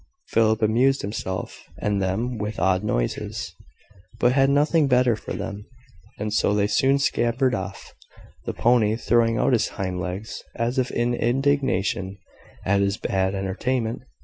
Philip amused himself and them with odd noises, but had nothing better for them; and so they soon scampered off, the pony throwing out his hind legs as if in indignation at his bad entertainment.